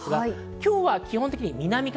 今日は基本的には南風。